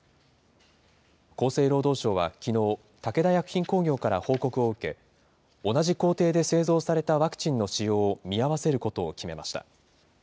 厚生労働省はきのう、武田薬品工業から報告を受け、同じ工程で製造されたワクチンの使用を見合わせることを決めました。